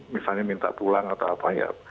misalnya minta pulang atau apa ya